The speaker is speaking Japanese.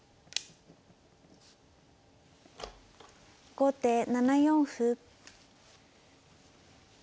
後手７四歩。